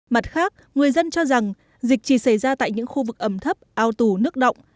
mặt khác người dân cho rằng dịch chỉ xảy ra tại những khu vực ẩm thấp ao tù nước động